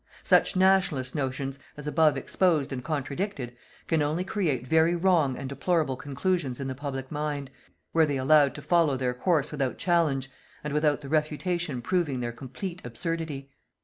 Such "Nationalist" notions, as above exposed and contradicted, can only create very wrong and deplorable conclusions in the public mind, were they allowed to follow their course without challenge and without the refutation proving their complete absurdity.